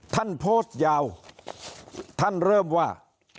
ท่านโพสต์ยาวท่านเริ่มว่า